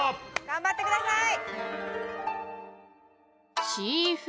頑張ってください！